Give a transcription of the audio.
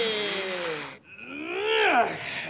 うん。